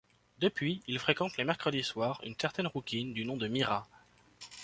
Depuis, il fréquente les mercredis soir une certaine rouquine du nom de Mira.